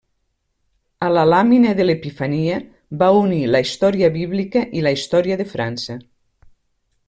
A la làmina de l'Epifania, va unir la història bíblica i la història de França.